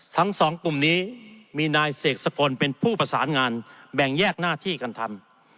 ทั้งสองกลุ่มนี้มีนายเสกสกลเป็นผู้ประสานงานแบ่งแยกหน้าที่กันทำ